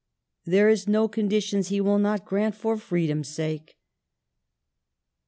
There is no condition he will not grant for freedom's sake.